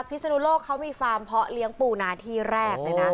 พิศนุโลกเขามีฟาร์มเพาะเลี้ยงปูนาที่แรกเลยนะ